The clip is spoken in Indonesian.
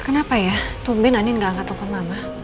kenapa ya tumben andin gak angkat telepon mama